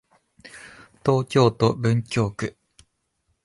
東京都文京区